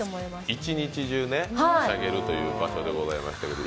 一日中ね、はしゃげるという場所でございましたけれども。